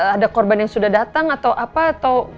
ada korban yang sudah datang atau apa atau